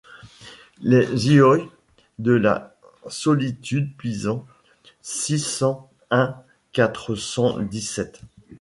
Les ioyes de la solitude Pisan six cent un quatre cent dix-sept.